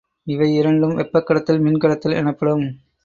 இவை இரண்டும் வெப்பக்கடத்தல், மின்கடத்தல் எனப்படும்.